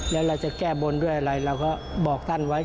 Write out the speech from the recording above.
แล้วเราจะแก้บนด้วยอะไรเราก็บอกท่านไว้